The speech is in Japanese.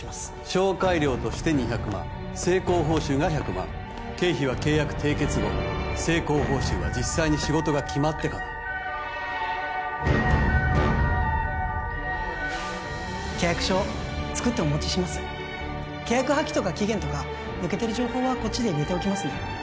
紹介料として２００万成功報酬が１００万経費は契約締結後成功報酬は実際に仕事が決まってから契約書作ってお持ちします契約破棄とか期限とか抜けてる情報はこっちで入れておきますね